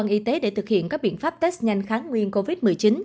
y tế để thực hiện các biện pháp test nhanh kháng nguyên covid một mươi chín